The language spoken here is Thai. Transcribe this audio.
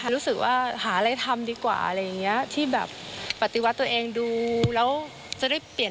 รู้สึกว่าหาอะไรทำดีกว่าอะไรอย่างเงี้ย